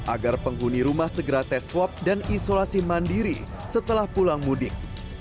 agar penghuni rumah segera tes swab dan isolasi mandiri setelah pulang mudik